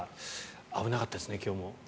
危なかったですね、今日も。